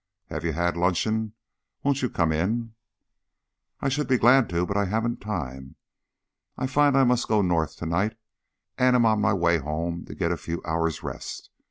Have you had luncheon? Won't you come in?" "I should be glad to, but I haven't time. I find I must go North to night, and am on my way home to get a few hours' rest.